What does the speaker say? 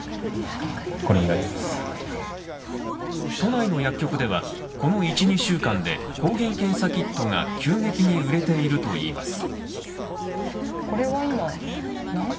隣の薬局では、この１、２週間で抗原検査キットが急激に売れているといいます。